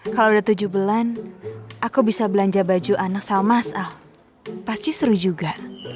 kalau udah tujuh bulan aku bisa belanja baju anak salmas al pasti seru juga